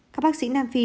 các bác sĩ nam phi